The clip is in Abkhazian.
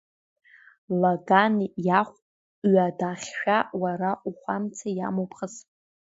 Лагани иахә ҩадахьшәа уара ухәамца иамоуп хыс.